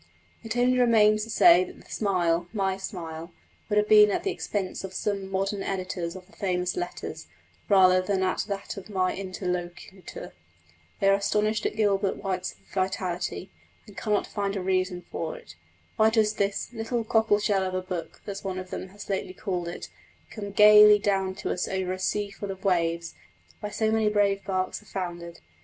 It only remains to say that the smile (my smile) would have been at the expense of some modern editors of the famous Letters, rather than at that of my interlocutor. They are astonished at Gilbert White's vitality, and cannot find a reason for it. Why does this "little cockle shell of a book," as one of them has lately called it, come gaily down to us over a sea full of waves, where so many brave barks have foundered?